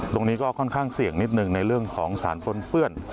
ตรงนี้ก็ค่อนข้างเสี่ยงนิดหนึ่งในเรื่องของสารปนเปื้อน